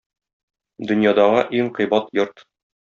Дөньядагы иң кыйбат йорт